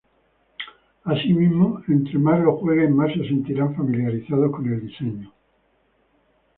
Asimismo, entre más lo jueguen, más se sentirán familiarizados con el diseño.